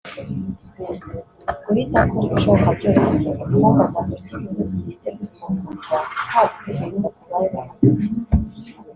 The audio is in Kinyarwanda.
Guhita akora ibishoboka byose ngo imfungwa za politiki zose zihite zifungurwa nta gutegereza kubayeho na guto